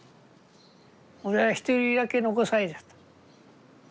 俺は一人だけ残されちゃった。